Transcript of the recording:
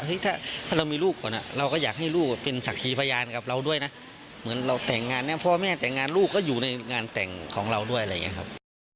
ถ้าเรามีลูกก่อนเราก็อยากให้ลูกเป็นศักดิ์พยานกับเราด้วยนะเหมือนเราแต่งงานเนี่ยพ่อแม่แต่งงานลูกก็อยู่ในงานแต่งของเราด้วยอะไรอย่างนี้ครับ